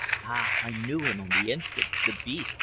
Ah, I knew him on the instant. The beast!